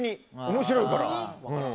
面白いから。